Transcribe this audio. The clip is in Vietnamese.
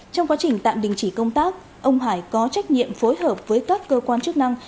trong quá trình tạm đình chỉ công tác ông hải có trách nhiệm phối hợp với các cơ quan chức năng